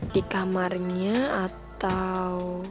di kamarnya atau